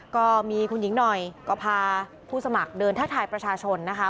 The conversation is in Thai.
ก็มีคุณหญิงหน่อยก็พาผู้สมัครเดินทักทายประชาชนนะคะ